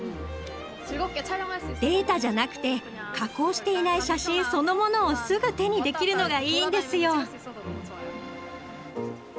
データじゃなくて加工していない写真そのものをすぐ手にできるのがいいんですよ！